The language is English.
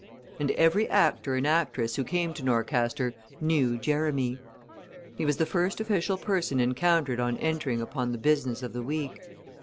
And every actor and actress who came to Norcaster knew Jerramy. He was the first official person encountered on entering upon the business of the week.